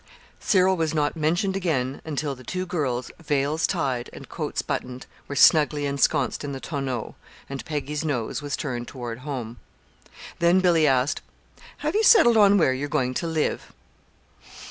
Cyril was not mentioned again until the two girls, veils tied and coats buttoned, were snugly ensconced in the tonneau, and Peggy's nose was turned toward home. Then Billy asked: "Have you settled on where you're going to live?"